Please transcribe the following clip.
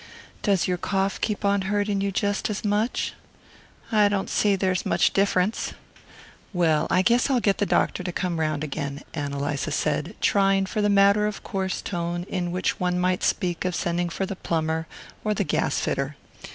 "Does your cough keep on hurting you jest as much?" "I don't see's there's much difference." "Well, I guess I'll get the doctor to come round again," Ann Eliza said, trying for the matter of course tone in which one might speak of sending for the plumber or the gas fitter.